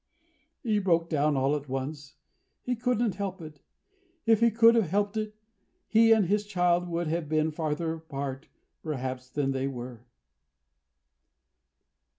He broke down all at once. He couldn't help it. If he could have helped it, he and his child would have been farther apart perhaps than they were.